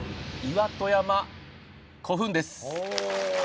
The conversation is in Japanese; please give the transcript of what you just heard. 岩戸山古墳です。